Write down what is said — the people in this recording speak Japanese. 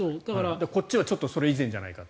こっちはちょっとそれ以前じゃないかと。